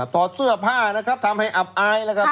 ถอดเสื้อผ้านะครับทำให้อับอายแล้วครับ